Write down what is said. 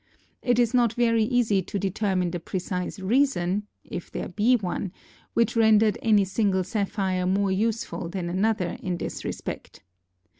It is not very easy to determine the precise reason—if there be one—which rendered any single sapphire more useful than another in this respect.